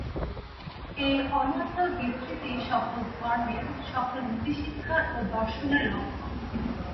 এই অনন্ত বিস্তৃতিই সকল ধর্মের, সকল নীতিশিক্ষার ও দর্শনের লক্ষ্য।